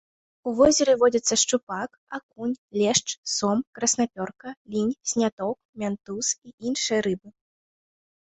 У возеры водзяцца шчупак, акунь, лешч, сом, краснапёрка, лінь, сняток, мянтуз і іншыя рыбы.